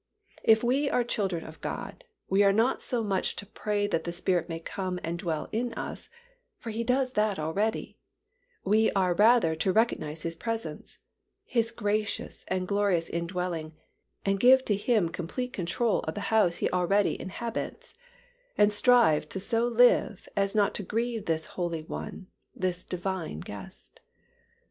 If we are children of God, we are not so much to pray that the Spirit may come and dwell in us, for He does that already, we are rather to recognize His presence, His gracious and glorious indwelling, and give to Him complete control of the house He already inhabits, and strive to so live as not to grieve this holy One, this Divine Guest.